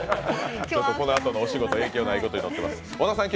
このあとのお仕事に影響がないことを祈っています。